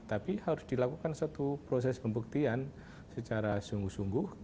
tapi harus dilakukan suatu proses pembuktian secara sungguh sungguh